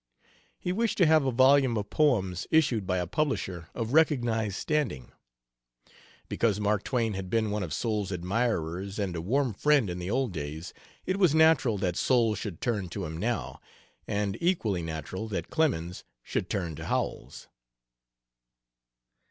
He wished to have a volume of poems issued by a publisher of recognized standing. Because Mark Twain had been one of Soule's admirers and a warm friend in the old days, it was natural that Soule should turn to him now, and equally natural that Clemens should turn to Howells.